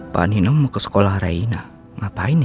pak nino mau ke sekolah rena ngapain ya